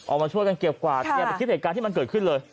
ออกมาช่วยกันเกียวกับกว่าคลิปเหตุการณ์ที่มันเกิดขึ้นเลย